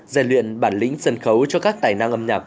rèn luyện bản lĩnh sân khấu cho các tài năng âm nhạc